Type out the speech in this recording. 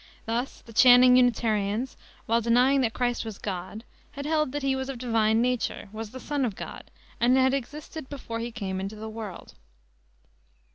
Thus the "Channing Unitarians," while denying that Christ was God, had held that he was of divine nature, was the Son of God, and had existed before he came into the world.